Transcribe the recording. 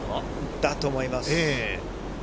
だと思います。